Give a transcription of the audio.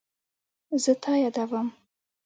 زه تا یادوم